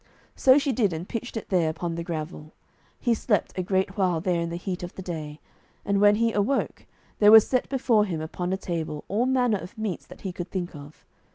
So she did, and pitched it there upon the gravel. He slept a great while there in the heat of the day; and when he awoke, there was set before him upon a table all manner of meats that he could think of.